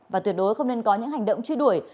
và tuyệt đối không nên có những hành động truy đuổi